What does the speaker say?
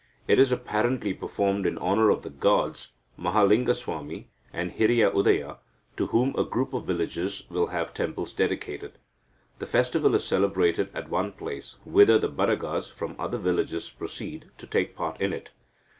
It is apparently performed in honour of the gods Mahalingaswami and Hiriya Udaya, to whom a group of villages will have temples dedicated. The festival is celebrated at one place, whither the Badagas from other villages proceed, to take part in it.